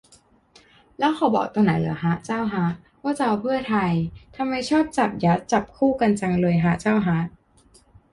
แล้วเขาบอกตรงไหนเหรอฮะ เจ้าฮะ ว่าจะเอาเพื่อไทย ทำไมชอบจับยัดจับคู่กันจังเลยฮะ เจ้าฮะ